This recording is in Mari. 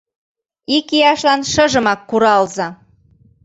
ИКИЯШЛАН ШЫЖЫМАК КУРАЛЗА!